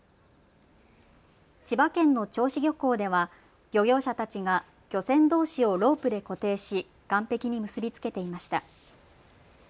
千葉県の銚子漁港では漁業者たちが漁船どうしをロープで固定し岸壁に結び付けていました。